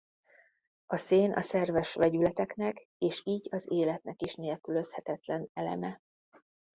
A szén a szerves vegyületeknek és így az életnek is nélkülözhetetlen eleme.